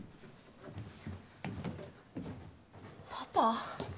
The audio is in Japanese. ・パパ？